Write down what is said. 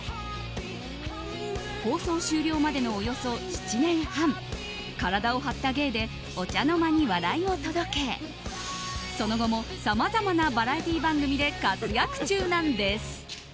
放送終了までのおよそ７年半体を張った芸でお茶の間に笑いを届けその後もさまざまなバラエティー番組で活躍中なんです。